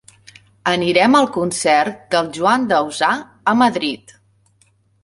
Anirem al concert del Joan Dausà a Madrid.